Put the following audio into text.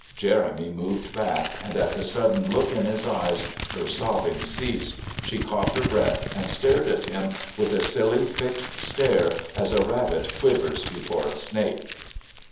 Jeremy moved back, and at the sudden look in his eyes her sobbing ceased, she caught her breath and stared at him with a silly fixed stare as a rabbit quivers before a snake.